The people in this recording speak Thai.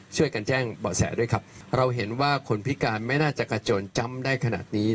ช่วยกันแจ้งเบาะแสด้วยครับเราเห็นว่าคนพิการไม่น่าจะกระโจนจำได้ขนาดนี้